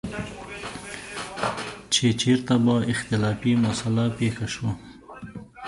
چې چېرته به اختلافي مسله پېښه شوه.